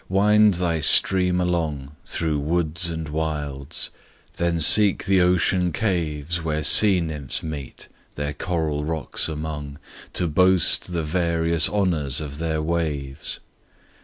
wind thy stream along Through woods and wilds: then seek the ocean caves Where sea nymphs meet their coral rocks among, To boast the various honours of their waves!